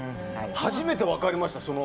初めて分かりました。